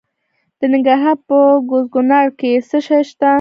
د ننګرهار په کوز کونړ کې څه شی شته؟